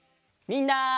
みんな。